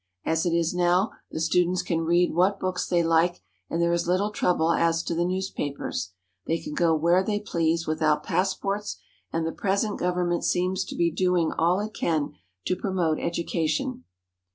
As it is now, the students can read what books they like, and there is little trouble as to the newspapers. They can go where they please without passports, and the present govern ment seems to be doing all it can to promote education.